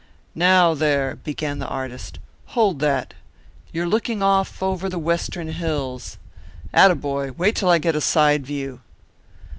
"Now, there," began the artist. "Hold that. You're looking off over the Western hills. Atta boy! Wait till I get a side view."